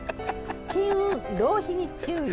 金運浪費に注意。